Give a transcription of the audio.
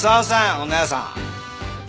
お義姉さん。